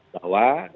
bahwa yang diambil